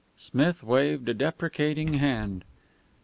Smith waved a deprecating hand.